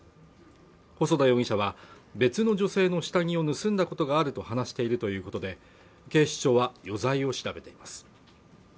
細田容疑者は別の女性の下着を盗んだことがあると話しているということで警視庁は余罪を調べています